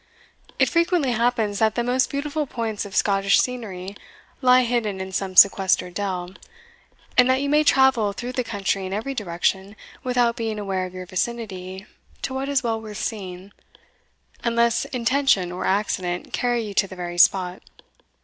It frequently happens that the most beautiful points of Scottish scenery lie hidden in some sequestered dell, and that you may travel through the country in every direction without being aware of your vicinity to what is well worth seeing, unless intention or accident carry you to the very spot.